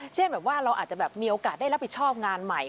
เช่นแบบว่าเราอาจจะแบบมีโอกาสได้รับผิดชอบงานใหม่